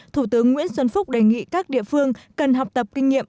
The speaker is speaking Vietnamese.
thủ tướng nguyễn xuân phúc đề nghị các địa phương cần học tập kinh nghiệm